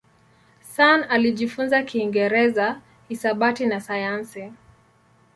Sun alijifunza Kiingereza, hisabati na sayansi.